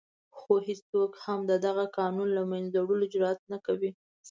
خو هېڅوک هم د دغه قانون د له منځه وړلو جرآت نه کوي.